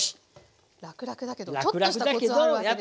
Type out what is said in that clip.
らくらくだけどちょっとしたコツはあるわけですね。